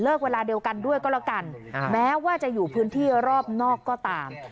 เวลาเดียวกันด้วยก็แล้วกันแม้ว่าจะอยู่พื้นที่รอบนอกก็ตาม